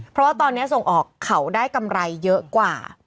เพราะว่าตอนนี้ส่งออกเขาได้กำไรเยอะกว่า